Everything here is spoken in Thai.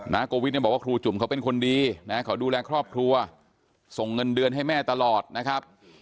โกวิทเนี่ยบอกว่าครูจุ่มเขาเป็นคนดีนะเขาดูแลครอบครัวส่งเงินเดือนให้แม่ตลอดนะครับ